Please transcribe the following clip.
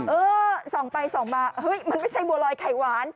เออส่องไปส่องมาเฮ้ยมันไม่ใช่บัวลอยไข่หวาน